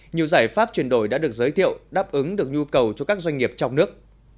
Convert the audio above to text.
nhiều giải pháp chuyển đổi đã được giới thiệu đáp ứng được nhu cầu cho các doanh nghiệp trong nước